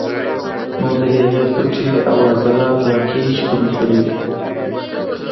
نو د هغو پټې او عضلات واقعي چې کمزوري وي